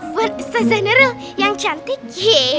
buat ustazah nero yang cantik